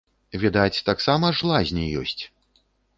Відаць, таксама ж лазні ёсць?